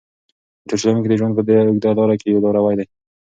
موټر چلونکی د ژوند په دې اوږده لاره کې یو لاروی دی.